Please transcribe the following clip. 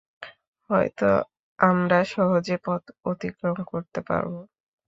হয়তো আমরা সহজে পথ অতিক্রম করতে পারব।